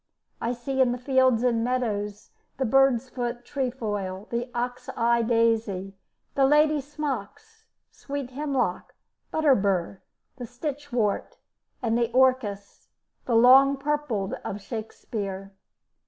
I see in the fields and meadows the bird's foot trefoil, the oxeye daisy, the lady smocks, sweet hemlock, butterbur, the stitchwort, and the orchis, the "long purpled" of Shakespeare.